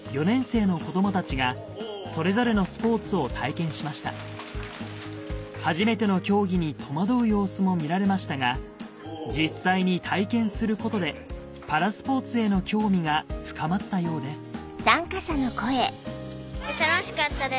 ４年生の子どもたちがそれぞれのスポーツを体験しました初めての競技に戸惑う様子も見られましたが実際に体験することでパラスポーツへの興味が深まったようです